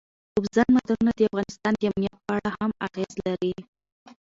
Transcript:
اوبزین معدنونه د افغانستان د امنیت په اړه هم اغېز لري.